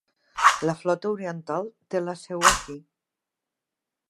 La flota oriental té la seu aquí.